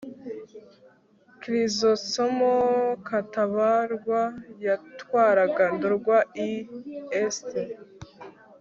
krizostomo katabarwa yatwaraga ndorwa ii est